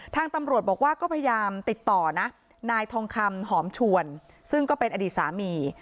ทางตำรวจบอกว่าก็พยายามติดต่อนะนายทองคำหอมชวนซึ่งก็เป็นอดีตสามี